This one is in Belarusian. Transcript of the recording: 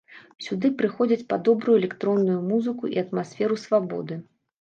Сюды прыходзяць па добрую электронную музыку і атмасферу свабоды.